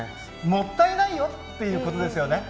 もったいないよっていうことですよね。